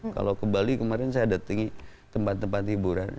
kalau ke bali kemarin saya datangi tempat tempat hiburan